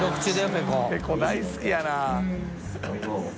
ペコ大好きやな。